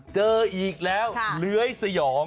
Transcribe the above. เจออีกแล้วเลื้อยสยอง